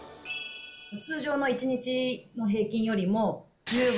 通常の１日の平均よりも１０倍。